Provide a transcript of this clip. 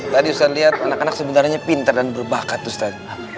tadi ustaz lihat anak anak sebenarnya pintar dan berbakat ustaz